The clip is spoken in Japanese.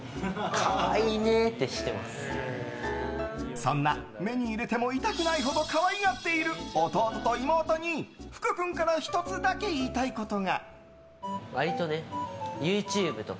そんな目に入れても痛くないほど可愛がっている弟と妹に福君から１つだけ言いたいことが。